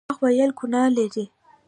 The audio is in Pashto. درواغ ویل ګناه ده